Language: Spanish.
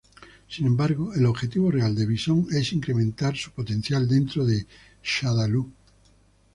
Sin embargo, el objetivo real de Bison es incrementar su potencial dentro de Shadaloo.